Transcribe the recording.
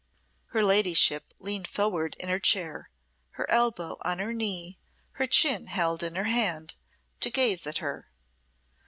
Her ladyship leaned forward in her chair, her elbow on her knee, her chin held in her hand, to gaze at her.